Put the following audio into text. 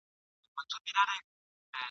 زه به راځم زه به تنها راځمه !.